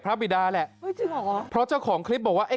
พระปิดาและเหรอจริงหรอจริงหรอเพราะเจ้าของคลิปบอกว่าไอ้